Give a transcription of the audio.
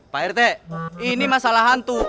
pak rt ini masalah hantu